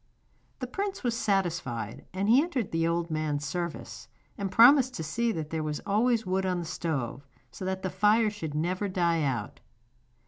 The prince was satisfied, and he entered the old man's service, and promised to see that there was always wood on the stove, so that the fire should never die out.